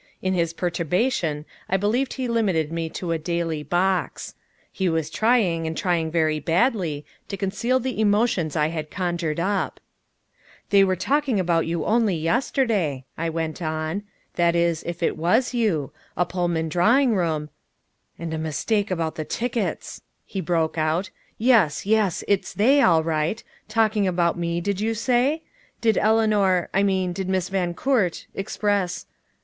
In his perturbation I believe he limited me to a daily box. He was trying and trying very badly to conceal the emotions I had conjured up. "They were talking about you only yesterday," I went on. "That is, if it was you! A Pullman drawing room " "And a mistake about the tickets," he broke out. "Yes, yes, it's they all right. Talking about me, did you say? Did Eleanor I mean, did Miss Van Coort express